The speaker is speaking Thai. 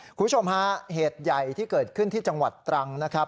คุณผู้ชมฮะเหตุใหญ่ที่เกิดขึ้นที่จังหวัดตรังนะครับ